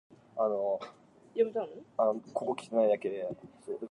The time delay is caused by spacetime dilation which increases the path length.